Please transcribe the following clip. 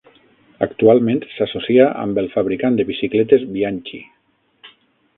Actualment s'associa amb el fabricant de bicicletes Bianchi.